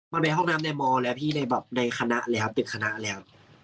มันไปห้องน้ำในมอลแล้วพี่ในคณะเลยครับตึกคณะเลยครับ